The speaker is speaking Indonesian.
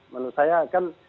menurut saya kan